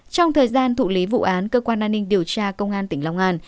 trong thời gian thụ lý vụ án cơ quan an ninh điều tra công an tỉnh long an